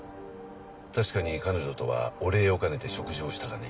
確かに彼女とはお礼を兼ねて食事をしたがね。